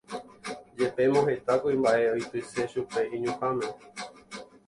Jepémo heta kuimba'e oityse chupe iñuhãme